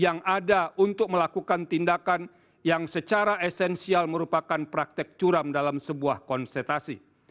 yang ada untuk melakukan tindakan yang secara esensial merupakan praktek curam dalam sebuah konsentrasi